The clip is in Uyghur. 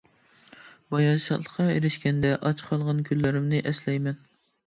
باياشاتلىققا ئېرىشكەندە، ئاچ قالغان كۈنلىرىمنى ئەسلەيمەن.